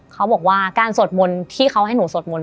เขาบอกว่าการสวดมนต์ที่เขาให้หนูสวดมนต